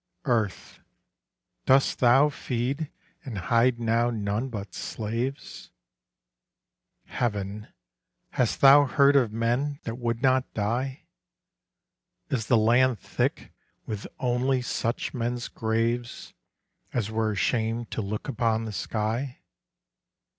Earth, dost thou feed and hide now none but slaves? Heaven, hast thou heard of men that would not die? Is the land thick with only such men's graves As were ashamed to look upon the sky?